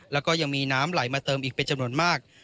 แล้วก็ยังมีน้ำไหลมาเติมอีกเป็นจำนวนมาก